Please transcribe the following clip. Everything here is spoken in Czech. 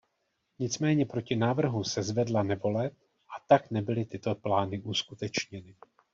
Nicméně proti návrhu se zvedla nevole a tak nebyly tyto plány uskutečněny.